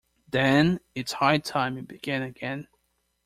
Then it's high time you began again.